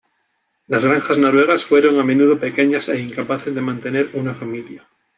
Las granjas noruegas fueron a menudo pequeñas e incapaces de mantener una familia.